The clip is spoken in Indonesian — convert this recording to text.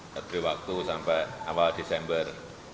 tapi waktu sampai awal desember